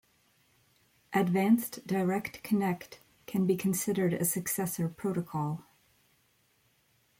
Advanced Direct Connect can be considered a successor protocol.